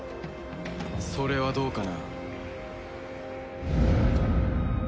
それはどうかな？